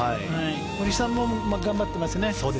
堀さんも頑張ってますね。